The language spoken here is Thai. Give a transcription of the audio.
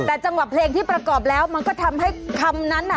แต่จังหวะเพลงที่ประกอบแล้วมันก็ทำให้คำนั้นน่ะ